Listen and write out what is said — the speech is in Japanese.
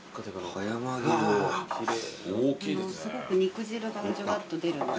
すごく肉汁がじゅわっと出るので。